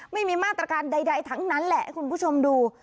ไม่มีมาตรการใดทั้งนั้นแหละให้คุณผู้ชมดู